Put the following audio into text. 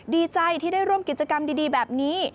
ดีใจที่ได้ร่วมกิจกรรมดีแบบนี้